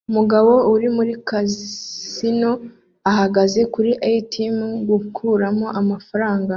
Umugore uri muri kazino ahagaze kuri ATM gukuramo amafaranga